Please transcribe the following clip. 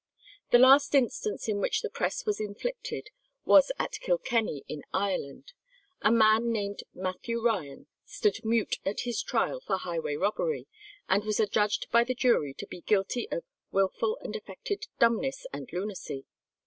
The last instance in which the press was inflicted was at Kilkenny in Ireland. A man named Matthew Ryan stood mute at his trial for highway robbery, and was adjudged by the jury to be guilty of "wilful and affected dumbness and lunacy."